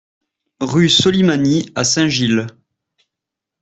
Rue Solimany à Saint-Gilles